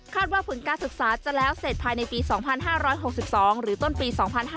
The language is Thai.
ว่าผลการศึกษาจะแล้วเสร็จภายในปี๒๕๖๒หรือต้นปี๒๕๕๙